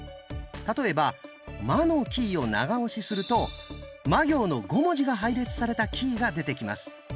例えば「ま」のキーを長押しすると「ま」行の５文字が配列されたキーが出てきます。